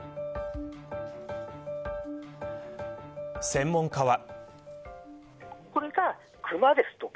専門家は。